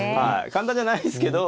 簡単じゃないっすけど。